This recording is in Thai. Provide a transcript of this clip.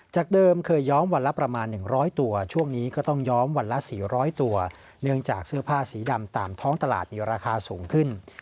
เดิมเคยย้อมวันละประมาณ๑๐๐ตัวช่วงนี้ก็ต้องย้อมวันละ๔๐๐ตัวเนื่องจากเสื้อผ้าสีดำตามท้องตลาดมีราคาสูงขึ้น